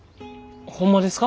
ホンマですか？